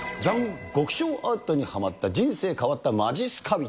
極小アートにはまった、人生変わったまじっすか人。